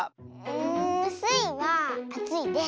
んスイはあついです。